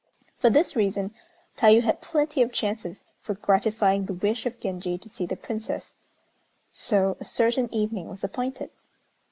For this reason Tayû had plenty of chances for gratifying the wish of Genji to see the Princess; so a certain evening was appointed.